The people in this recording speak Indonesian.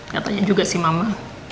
katanya juga sih mama